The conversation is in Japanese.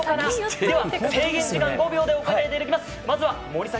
制限時間５秒でお答えいただきます。